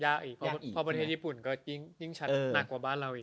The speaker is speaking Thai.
เพราะประเทศญี่ปุ่นก็ยิ่งชัดหนักกว่าบ้านเราอีก